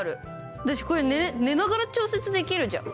私、これ、寝ながら調節できるじゃん。